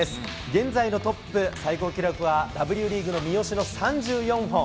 現在のトップ、最高記録はＷリーグの三好の３４本。